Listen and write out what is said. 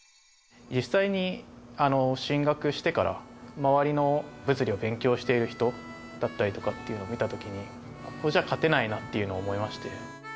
実際に進学してから、周りの物理を勉強している人だったりとかを見たときに、ここじゃ勝てないなっていうのを思いまして。